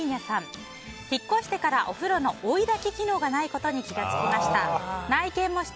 引っ越してからお風呂の追い焚き機能がないことに気づきました。